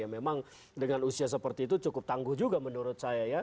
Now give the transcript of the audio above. memang dengan usia seperti itu cukup tangguh juga menurut saya ya